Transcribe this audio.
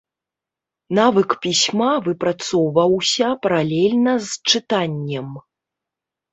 Навык пісьма выпрацоўваўся паралельна з чытаннем.